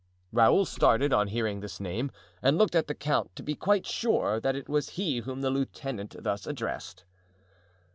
Raoul stared on hearing this name and looked at the count to be quite sure that it was he whom the lieutenant thus addressed.